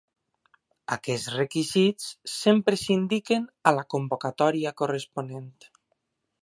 Aquests requisits sempre s'indiquen a la convocatòria corresponent.